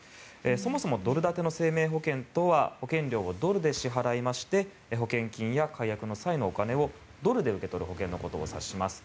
そもそもドル建ての生命保険とは保険料をドルで支払いまして保険金や解約の際のお金をドルで受け取ることを指します。